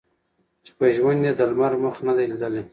چي په ژوند یې د لمر مخ نه دی لیدلی